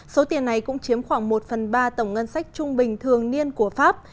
số tiền này cũng chiếm khoảng một phần ba tổng ngân sách trung bình thường niên của pháp